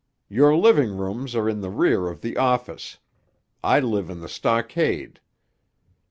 Your living rooms are in the rear of the office. I live in the stockade.